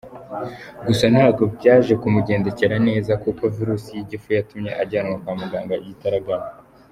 Gusa ntabwo byaje kumugendekera neza kuko Virus y’igifu yatumye ajyanwa kwamuganga igitaragaranya.